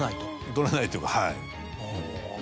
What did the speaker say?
取らないというかはい。